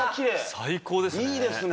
「最高ですね」